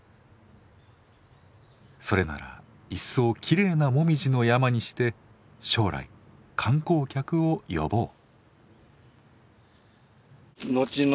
それならいっそきれいなもみじの山にして将来観光客を呼ぼう。